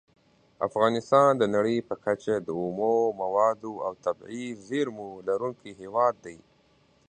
افغانستان د نړۍ په کچه د اومو موادو او طبیعي زېرمو لرونکی هیواد دی.